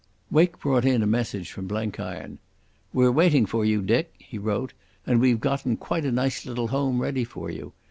Wake brought in a message from Blenkiron. "We're waiting for you, Dick," he wrote, "and we've gotten quite a nice little home ready for you.